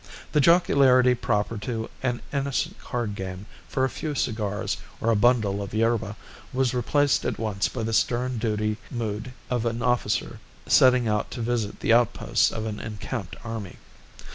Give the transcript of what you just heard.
The jocularity proper to an innocent card game for a few cigars or a bundle of yerba was replaced at once by the stern duty mood of an officer setting out to visit the outposts of an encamped army.